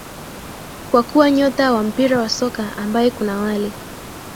Kwa kuwa nyota wa mpira wa soka ambaye kuna wale